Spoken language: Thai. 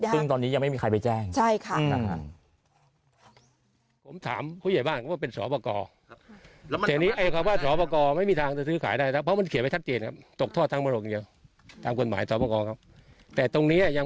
ซึ่งตอนนี้ยังไม่มีใครไปแจ้ง